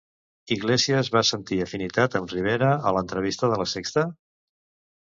Iglesias va sentir afinitat amb Rivera a l'entrevista de La Sexta?